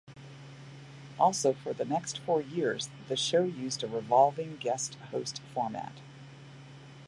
Also for the next four years, the show used a revolving guest-host format.